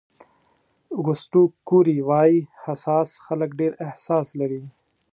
اوګسټو کوري وایي حساس خلک ډېر احساس لري.